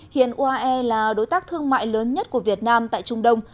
hiện uae là đối tác thương mại lớn nhất của việt nam tại trung đông